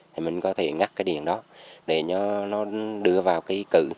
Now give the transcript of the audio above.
thì mình có thể ngắt cái điện đó để nó đưa vào cái cự